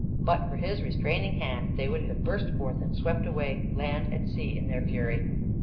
But for his restraining hand they would have burst forth and swept away land and sea in their fury.